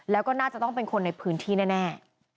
แล้วก็น่าจะต้องเป็นคนในพื้นที่แน่